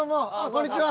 こんにちは。